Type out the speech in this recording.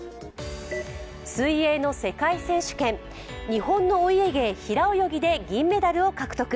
水泳の世界選手権、日本のお家芸・平泳ぎで銀メダルを獲得。